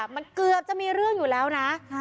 มันเกือบจะมีเรื่องอยู่แล้วนะ